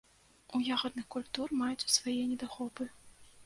У ягадных культур маюцца свае недахопы.